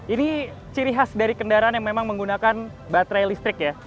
ini ciri khas dari kendaraan yang memang menggunakan baterai listrik ya